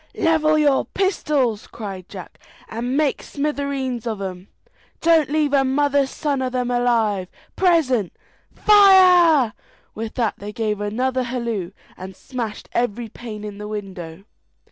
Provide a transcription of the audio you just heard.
"Level your pistols!" cried Jack, "and make smithereens of 'em. Don't leave a mother's son of 'em alive; present, fire!" With that they gave another halloo, and smashed every pane in the window.